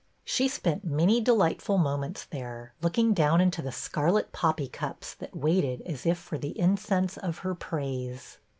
She spent many delightful moments there, look ing down into the scarlet poppy cups that waited as if for the incense of her praise.